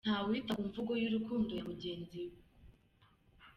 Ntawita ku mvugo y’urukundo ya mugenzi we.